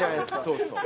そうそう。